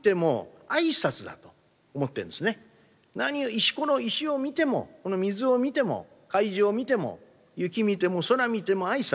石ころ石を見てもこの水を見ても快事を見ても雪見ても空見ても挨拶。